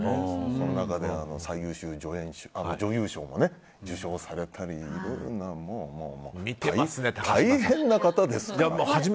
その中で、最優秀女優賞も受賞されたりもう、大変な方ですよ。